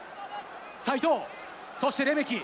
齋藤、そしてレメキ。